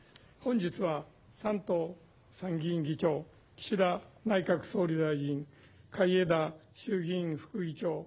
本日は山東参議院議長岸田内閣総理大臣海江田衆議院副議長